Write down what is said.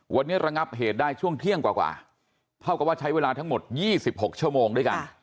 วันนี้ระงับเหตุได้ช่วงเที่ยงกว่าเท่ากับว่าใช้เวลาทั้งหมด๒๖ชั่วโมงด้วยกัน